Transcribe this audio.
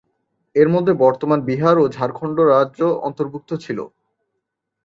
এর মধ্যে বর্তমান বিহার ও ঝাড়খণ্ড রাজ্য অন্তর্ভুক্ত ছিল।